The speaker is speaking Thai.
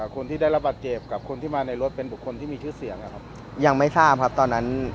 คนที่ได้รับบาดเจ็บกับคนที่มาในรถเป็นบุคคลที่มีชื่อเสียงนะครับยังไม่ทราบครับตอนนั้น